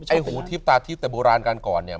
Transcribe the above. ไอ้หูทิบตาทิบแต่โบราณกันก่อนเนี่ย